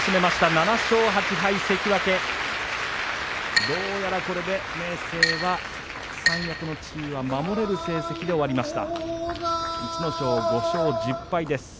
７勝８敗どうやらこれで明生は三役の地位は守れる成績で終わりました。